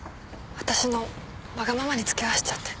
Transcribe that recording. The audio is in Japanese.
私のわがままに付き合わせちゃって。